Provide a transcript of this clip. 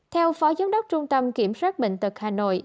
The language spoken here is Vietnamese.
theo phó giám đốc trung tâm kiểm soát bệnh tật hà nội